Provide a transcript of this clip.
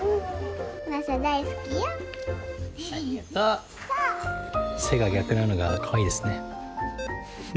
「せ」が逆なのがかわいいですね。